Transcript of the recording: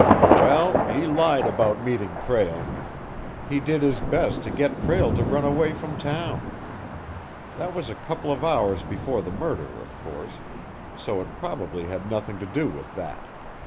"Well, he lied about meeting Prale. He did his best to get Prale to run away from town. That was a couple of hours before the murder, of course, so it probably had nothing to do with that.